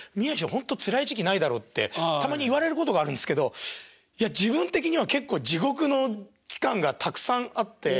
ほんとつらい時期ないだろってたまに言われることがあるんですけどいや自分的には結構地獄の期間がたくさんあって。